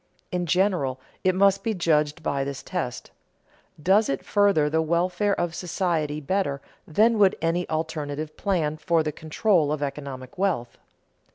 In general, it must be judged by this test: Does it further the welfare of society better than would any alternative plan for the control of economic wealth?